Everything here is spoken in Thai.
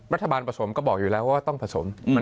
รัฐบาลผสมก็บอกอยู่แล้วว่าต้องผสม